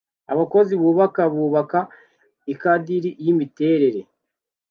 Abakozi bubaka bubaka ikadiri yimiterere